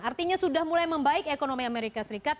artinya sudah mulai membaik ekonomi amerika serikat